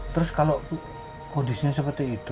terus kalau kondisinya seperti itu